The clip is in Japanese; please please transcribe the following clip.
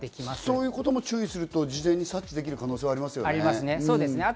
そういうところも注意すると事前に察知できる可能性がありますね。